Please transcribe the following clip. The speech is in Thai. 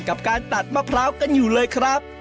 กับการตัดมะพร้าวกันอยู่เลยครับ